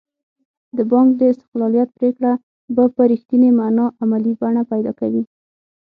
د بانک د استقلالیت پرېکړه به په رښتینې معنا عملي بڼه پیدا کوي.